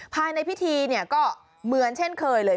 ภายในพิธีเนี่ยก็เหมือนเช่นเคยเลย